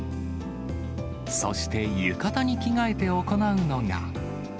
そして、浴衣に着替えて行うのが。